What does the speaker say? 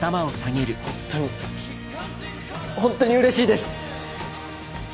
ホントにホントにうれしいです！